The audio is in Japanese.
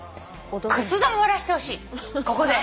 くす玉割らしてほしいここで。